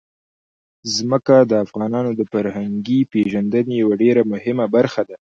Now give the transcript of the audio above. ځمکه د افغانانو د فرهنګي پیژندنې یوه ډېره مهمه برخه ده.